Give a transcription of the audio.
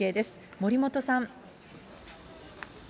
森本さん。